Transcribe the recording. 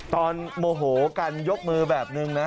ตอนโมโหกันยกมือแบบหนึ่ง